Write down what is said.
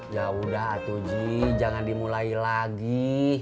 ya udah tuh ji jangan dimulai lagi